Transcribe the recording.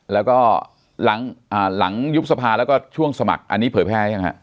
แล้วก็หลังยุบสภาแล้วก็ช่วงสมัครอันนี้เผยแพร่ยังฮะ